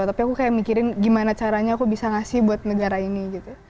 tapi aku kayak mikirin gimana caranya aku bisa ngasih buat negara ini gitu